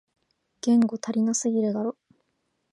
言語足りなすぎだろ